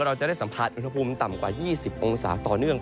เราจะได้สัมผัสอุณหภูมิต่ำกว่า๒๐องศาต่อเนื่อง